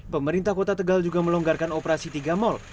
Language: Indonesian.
pemerintah kota tegal juga melonggarkan operasi tiga mal